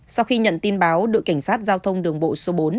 sau khi nhận tin báo đội cảnh sát giao thông đường bộ số bốn